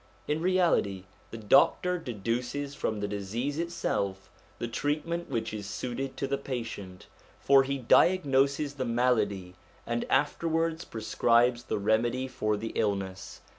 In reality the doctor deduces from the disease itself the treatment which is suited to the patient, for he diagnoses the malady, and afterwards prescribes the remedy for the illness.